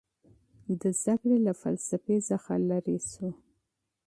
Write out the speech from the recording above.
دا علم له فلسفې څخه لیرې سو.